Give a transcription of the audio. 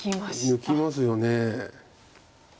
抜きますよね。